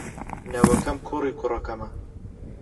نەوەکەم کوڕی کوڕەکەمە.